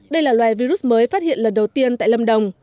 đây là loài virus mới phát hiện lần đầu tiên tại lâm đồng